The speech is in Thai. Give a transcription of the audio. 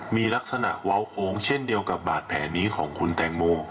มีลักษณะเว้าโค้งเช่นเดียวกับบาดแผลนี้ของคุณแตงโม